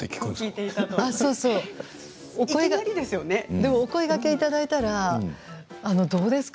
でもお声がけいただいたらどうですか？